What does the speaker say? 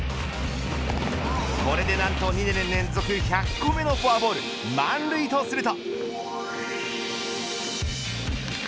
これで何と２年連続１００個目のフォアボール満塁とすると。